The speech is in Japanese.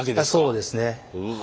そうですね。